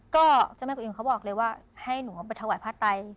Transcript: ก็เจ้าแม่ตัวเองเขาบอกเลยว่าให้หนูไปถวายผ้าไต